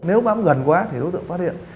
nếu bám gần quá thì đối tượng phát hiện